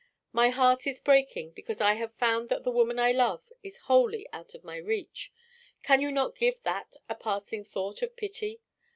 My heart is breaking because I have found that the woman I love is wholly out of my reach. Can you not give that a passing thought of pity?